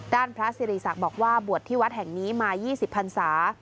พระสิริศักดิ์บอกว่าบวชที่วัดแห่งนี้มา๒๐พันศา